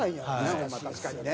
ホンマ確かにね。